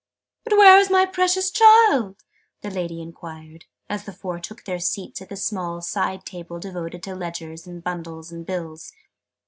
"But where is my precious child?" my Lady enquired, as the four took their seats at the small side table devoted to ledgers and bundles and bills.